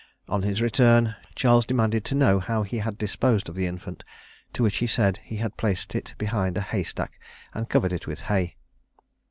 On his return, Charles demanded to know how he had disposed of the infant; to which he said that he had placed it behind a hay stack, and covered it with hay.